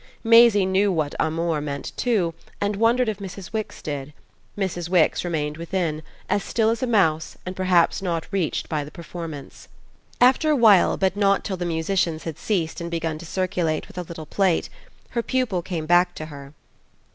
Maisie knew what "amour" meant too, and wondered if Mrs. Wix did: Mrs. Wix remained within, as still as a mouse and perhaps not reached by the performance. After a while, but not till the musicians had ceased and begun to circulate with a little plate, her pupil came back to her.